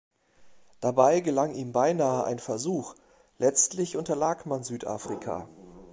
Dabei gelang ihm beinahe ein Versuch, letztlich unterlag man Südafrika.